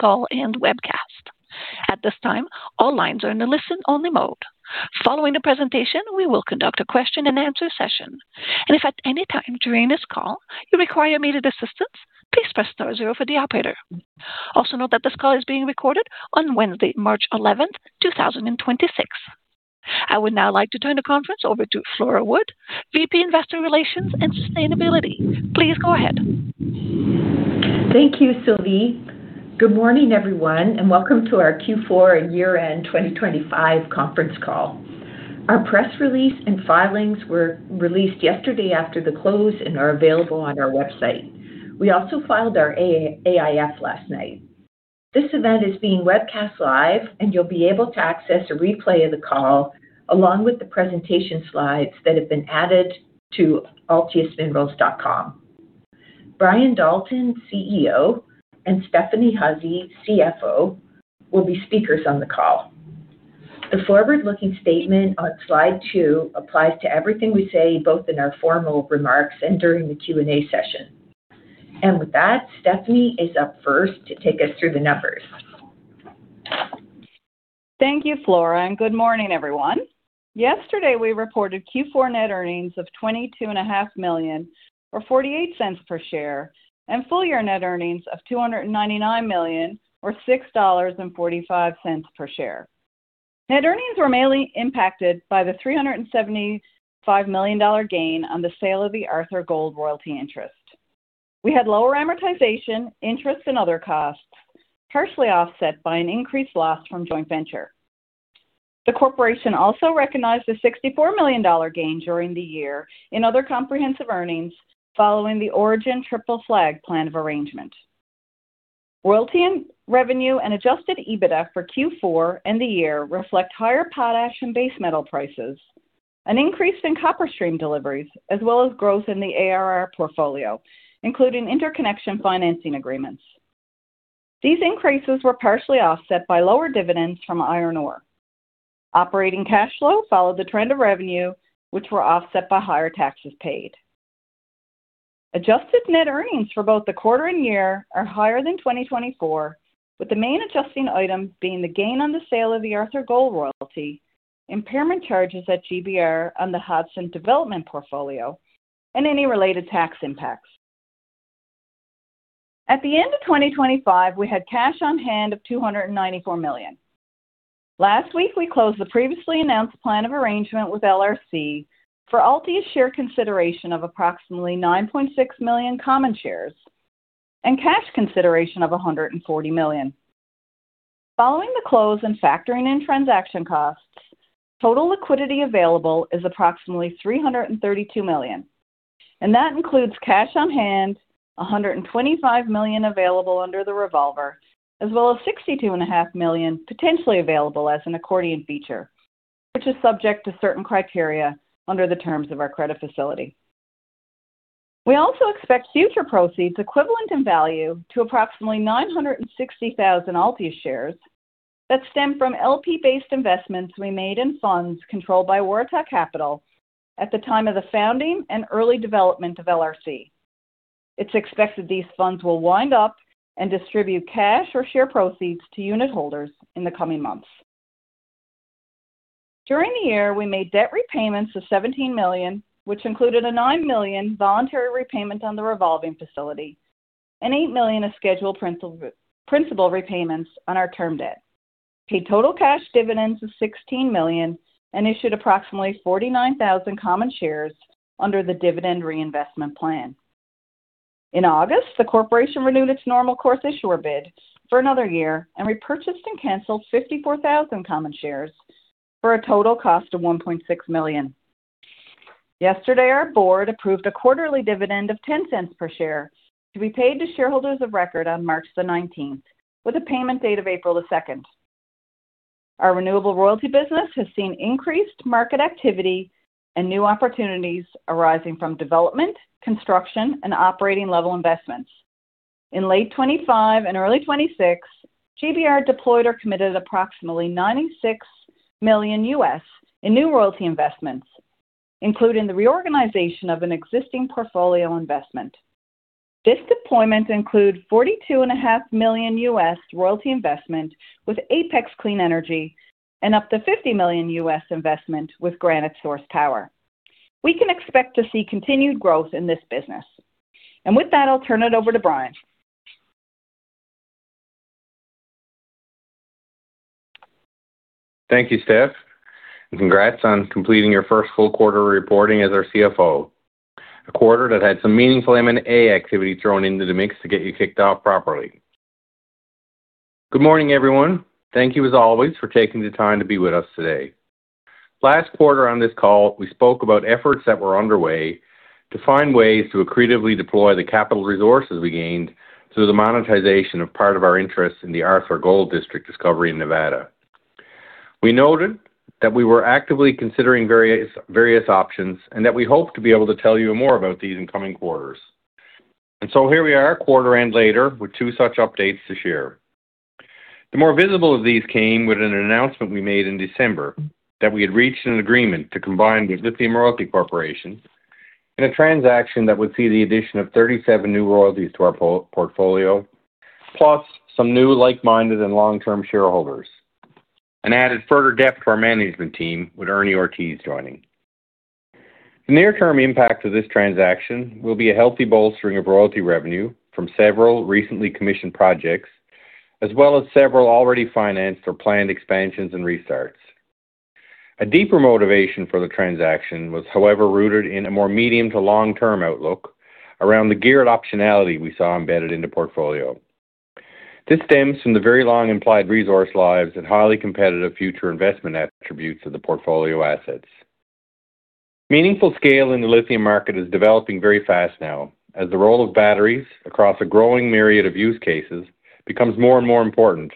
Call and webcast. At this time, all lines are in a listen-only mode. Following the presentation, we will conduct a question and answer session. If at any time during this call you require immediate assistance, please press star zero for the operator. Also note that this call is being recorded on Wednesday, March eleventh, two thousand and twenty-six. I would now like to turn the conference over to Flora Wood, VP, Investor Relations and Sustainability. Please go ahead. Thank you, Sylvie. Good morning, everyone, and welcome to our Q4 and year-end 2025 conference call. Our press release and filings were released yesterday after the close and are available on our website. We also filed our AIF last night. This event is being webcast live, and you'll be able to access a replay of the call along with the presentation slides that have been added to altiusminerals.com. Brian Dalton, CEO, and Stephanie Hussey, CFO, will be speakers on the call. The forward-looking statement on slide two applies to everything we say, both in our formal remarks and during the Q&A session. With that, Stephanie is up first to take us through the numbers. Thank you, Flora, and good morning, everyone. Yesterday, we reported Q4 net earnings of 22.5 million or 0.48 per share and full year net earnings of 299 million or 6.45 dollars per share. Net earnings were mainly impacted by the 375 million dollar gain on the sale of the AngloGold royalty interest. We had lower amortization, interest, and other costs, partially offset by an increased loss from joint venture. The corporation also recognized a 64 million dollar gain during the year in other comprehensive earnings following the Orion Triple Flag plan of arrangement. Royalty revenue and adjusted EBITDA for Q4 and the year reflect higher potash and base metal prices, an increase in copper stream deliveries, as well as growth in the ARR portfolio, including interconnection financing agreements. These increases were partially offset by lower dividends from iron ore. Operating cash flow followed the trend of revenue, which were offset by higher taxes paid. Adjusted net earnings for both the quarter and year are higher than 2024, with the main adjusting item being the gain on the sale of the Beatty Gold royalty, impairment charges at GBR on the Hudson development portfolio, and any related tax impacts. At the end of 2025, we had cash on hand of 294 million. Last week, we closed the previously announced plan of arrangement with LRC for Altius share consideration of approximately 9.6 million common shares and cash consideration of 140 million. Following the close and factoring in transaction costs, total liquidity available is approximately 332 million, and that includes cash on hand, 125 million available under the revolver, as well as 62.5 million potentially available as an accordion feature, which is subject to certain criteria under the terms of our credit facility. We also expect future proceeds equivalent in value to approximately 960,000 Altius shares that stem from LP-based investments we made in funds controlled by Waratah Capital at the time of the founding and early development of LRC. It's expected these funds will wind up and distribute cash or share proceeds to unitholders in the coming months. During the year, we made debt repayments of CAD 17 million, which included a CAD nine million voluntary repayment on the revolving facility and CAD 8 million of scheduled principal repayments on our term debt, paid total cash dividends of 16 million, and issued approximately 49,000 common shares under the dividend reinvestment plan. In August, the corporation renewed its normal course issuer bid for another year and repurchased and canceled 54,000 common shares for a total cost of 1.6 million. Yesterday, our board approved a quarterly dividend of 0.10 per share to be paid to shareholders of record on March 19th, with a payment date of April 2nd. Our renewable royalty business has seen increased market activity and new opportunities arising from development, construction, and operating level investments. In late 2025 and early 2026, GBR deployed or committed approximately $96 million in new royalty investments, including the reorganization of an existing portfolio investment. This deployment include $42.5 million royalty investment with Apex Clean Energy and up to $50 million investment with Granite Shore Power. We can expect to see continued growth in this business. With that, I'll turn it over to Brian. Thank you, Stephanie, and congrats on completing your first full quarter of reporting as our CFO. A quarter that had some meaningful M&A activity thrown into the mix to get you kicked off properly. Good morning, everyone. Thank you, as always, for taking the time to be with us today. Last quarter on this call, we spoke about efforts that were underway to find ways to accretively deploy the capital resources we gained through the monetization of part of our interest in the Beatty Gold District discovery in Nevada. We noted that we were actively considering various options and that we hope to be able to tell you more about these in coming quarters. Here we are, a quarter later, with two such updates to share. The more visible of these came with an announcement we made in December that we had reached an agreement to combine with Lithium Royalty Corporation. In a transaction that would see the addition of 37 new royalties to our portfolio, plus some new like-minded and long-term shareholders, and added further depth to our management team with Ernie Ortiz joining. The near-term impact of this transaction will be a healthy bolstering of royalty revenue from several recently commissioned projects, as well as several already financed or planned expansions and restarts. A deeper motivation for the transaction was, however, rooted in a more medium to long-term outlook around the geared optionality we saw embedded in the portfolio. This stems from the very long implied resource lives and highly competitive future investment attributes of the portfolio assets. Meaningful scale in the lithium market is developing very fast now as the role of batteries across a growing myriad of use cases becomes more and more important.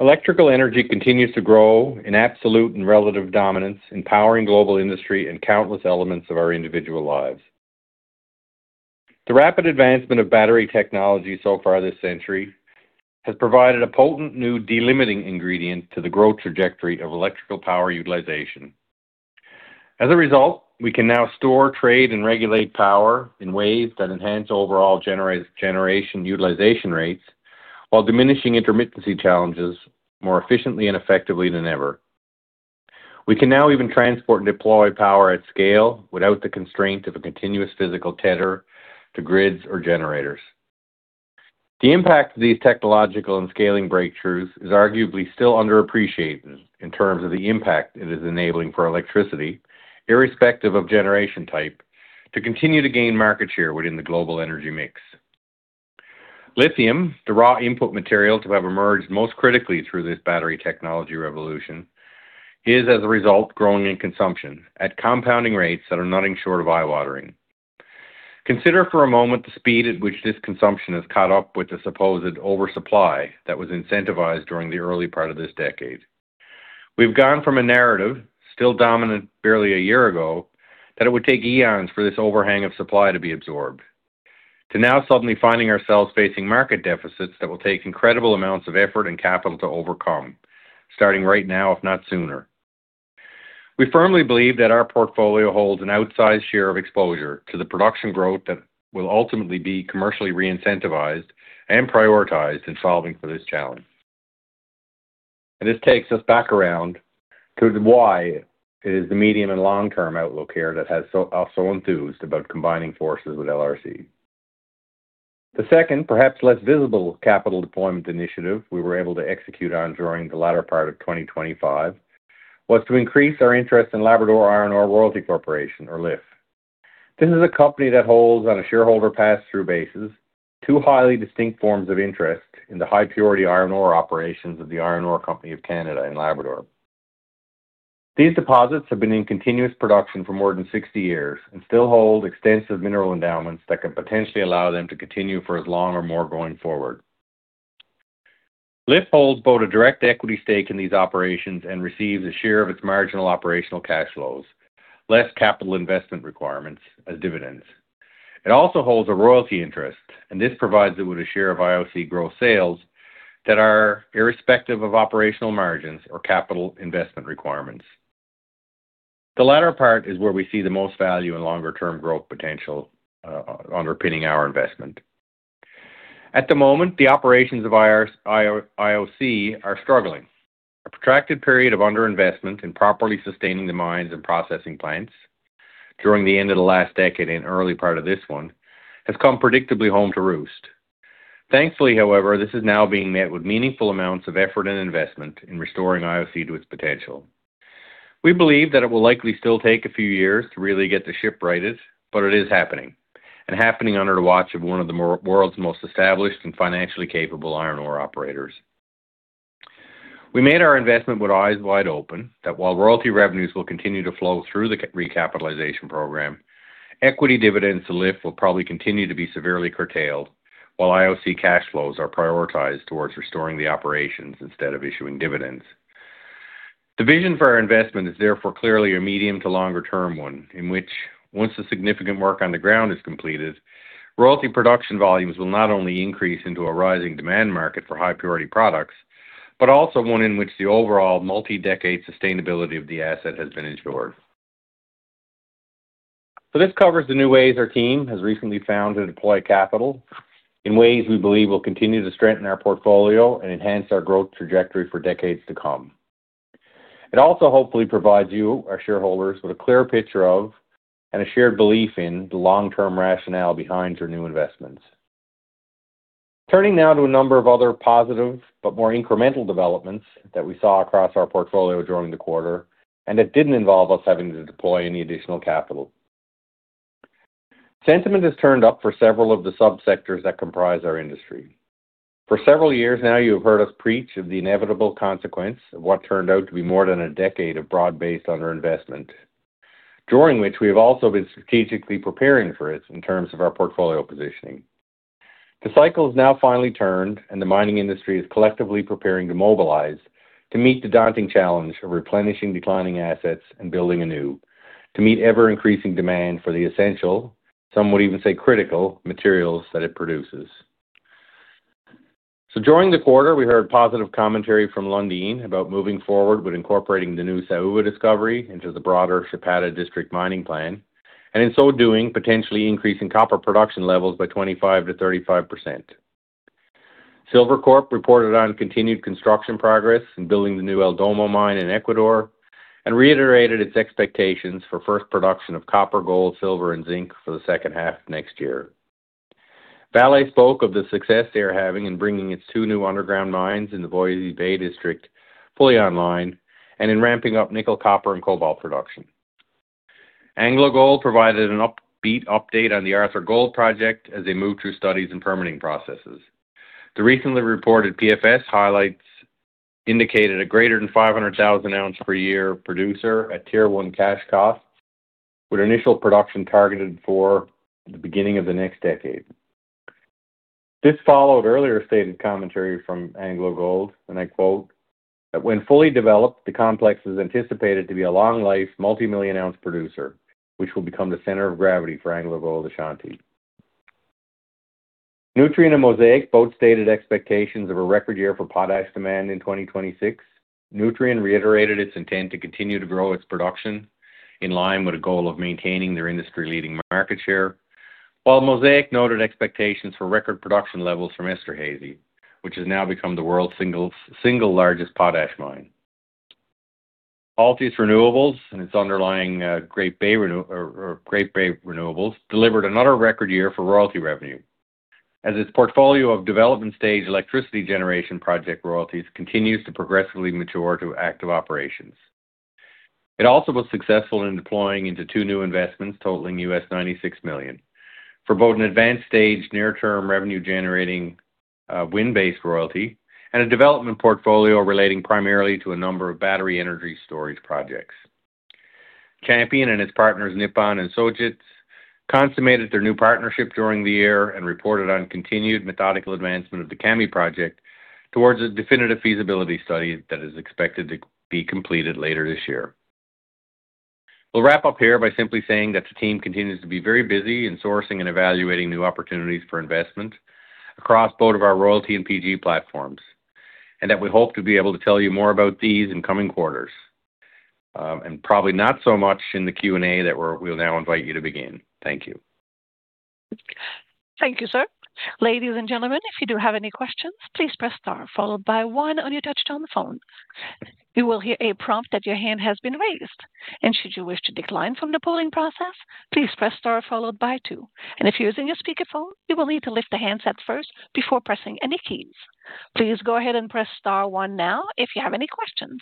Electrical energy continues to grow in absolute and relative dominance in powering global industry and countless elements of our individual lives. The rapid advancement of battery technology so far this century has provided a potent new delimiting ingredient to the growth trajectory of electrical power utilization. As a result, we can now store, trade, and regulate power in ways that enhance overall generation utilization rates while diminishing intermittency challenges more efficiently and effectively than ever. We can now even transport and deploy power at scale without the constraint of a continuous physical tether to grids or generators. The impact of these technological and scaling breakthroughs is arguably still underappreciated in terms of the impact it is enabling for electricity, irrespective of generation type, to continue to gain market share within the global energy mix. Lithium, the raw input material to have emerged most critically through this battery technology revolution, is as a result growing in consumption at compounding rates that are nothing short of eye-watering. Consider for a moment the speed at which this consumption has caught up with the supposed oversupply that was incentivized during the early part of this decade. We've gone from a narrative, still dominant barely a year ago, that it would take eons for this overhang of supply to be absorbed to now suddenly finding ourselves facing market deficits that will take incredible amounts of effort and capital to overcome, starting right now, if not sooner. We firmly believe that our portfolio holds an outsized share of exposure to the production growth that will ultimately be commercially reincentivized and prioritized in solving for this challenge. This takes us back around to why it is the medium and long-term outlook here that has us so enthused about combining forces with LRC. The second, perhaps less visible capital deployment initiative we were able to execute on during the latter part of 2025 was to increase our interest in Labrador Iron Ore Royalty Corporation, orLIORC These deposits have been in continuous production for more than 60 years and still hold extensive mineral endowments that could potentially allow them to continue for as long or more going forward. LIORC Thankfully, however, this is now being met with meaningful amounts of effort and investment in restoring IOC to its potential. We believe that it will likely still take a few years to really get the ship righted, but it is happening and happening under the watch of world's most established and financially capable iron ore operators. We made our investment with eyes wide open that while royalty revenues will continue to flow through the recapitalization program, equity dividends to LIORC The vision for our investment is therefore clearly a medium to longer term one in which once the significant work on the ground is completed, royalty production volumes will not only increase into a rising demand market for high purity products, but also one in which the overall multi-decade sustainability of the asset has been ensured. This covers the new ways our team has recently found to deploy capital in ways we believe will continue to strengthen our portfolio and enhance our growth trajectory for decades to come. It also hopefully provides you, our shareholders, with a clear picture of and a shared belief in the long-term rationale behind your new investments. Turning now to a number of other positive but more incremental developments that we saw across our portfolio during the quarter, and it didn't involve us having to deploy any additional capital. Sentiment has turned up for several of the sub-sectors that comprise our industry. For several years now, you have heard us preach of the inevitable consequence of what turned out to be more than a decade of broad-based underinvestment, during which we have also been strategically preparing for it in terms of our portfolio positioning. The cycle has now finally turned, and the mining industry is collectively preparing to mobilize to meet the daunting challenge of replenishing declining assets and building anew to meet ever-increasing demand for the essential, some would even say critical, materials that it produces. During the quarter, we heard positive commentary from Lundin Mining about moving forward with incorporating the new Saúva discovery into the broader Chapada district mining plan, and in so doing, potentially increasing copper production levels by 25%-35%. Silvercorp Metals Inc. reported on continued construction progress in building the new El Domo mine in Ecuador and reiterated its expectations for first production of copper, gold, silver, and zinc for the second half of next year. Vale spoke of the success they are having in bringing its two new underground mines in the Voisey's Bay district fully online and in ramping up nickel, copper, and cobalt production. AngloGold Ashanti provided an upbeat update on the uncertain as they move through studies and permitting processes. The recently reported PFS highlights indicated a greater-than-500,000-ounce-per-year producer at Tier one cash cost, with initial production targeted for the beginning of the next decade. This followed earlier stated commentary from AngloGold Ashanti, and I quote, "That when fully developed, the complex is anticipated to be a long life, multimillion ounce producer, which will become the center of gravity for AngloGold Ashanti." Nutrien and Mosaic both stated expectations of a record year for potash demand in 2026. Nutrien reiterated its intent to continue to grow its production in line with a goal of maintaining their industry-leading market share. While Mosaic noted expectations for record production levels from Esterhazy, which has now become the world's single largest potash mine. Altius Renewable Royalties and its underlying Great Bay Renewables delivered another record year for royalty revenue, as its portfolio of development stage electricity generation project royalties continues to progressively mature to active operations. It also was successful in deploying into two new investments totaling $96 million for both an advanced stage, near-term revenue generating, wind-based royalty and a development portfolio relating primarily to a number of battery energy storage projects. Champion Iron and its partners, Nippon Steel and Sojitz Corporation, consummated their new partnership during the year and reported on continued methodical advancement of the Kami project towards a definitive feasibility study that is expected to be completed later this year. We'll wrap up here by simply saying that the team continues to be very busy in sourcing and evaluating new opportunities for investment across both of our royalty and PG platforms, and that we hope to be able to tell you more about these in coming quarters, and probably not so much in the Q&A that we'll now invite you to begin. Thank you. Thank you, sir. Ladies and gentlemen, if you do have any questions, please press star followed by one on your touchtone phone. You will hear a prompt that your hand has been raised, and should you wish to decline from the polling process, please press star followed by two. If you're using a speakerphone, you will need to lift the handset first before pressing any keys. Please go ahead and press star one now if you have any questions.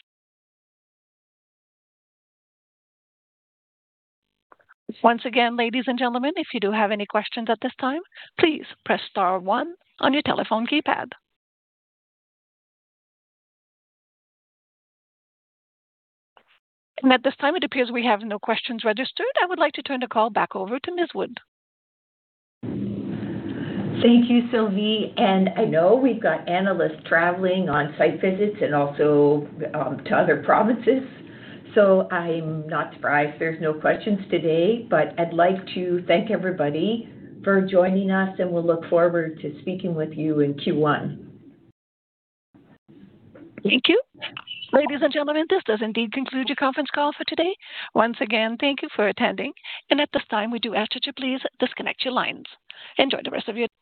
Once again, ladies and gentlemen, if you do have any questions at this time, please press star one on your telephone keypad. At this time, it appears we have no questions registered. I would like to turn the call back over to Ms. Wood. Thank you, Sylvie. I know we've got analysts traveling on site visits and also to other provinces, so I'm not surprised there's no questions today. I'd like to thank everybody for joining us, and we'll look forward to speaking with you in Q1. Thank you. Ladies and gentlemen, this does indeed conclude your conference call for today. Once again, thank you for attending, and at this time, we do ask that you please disconnect your lines. Enjoy the rest of your day.